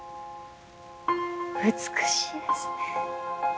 美しいですね。